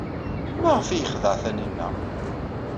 Maɣef ay yexdeɛ Taninna?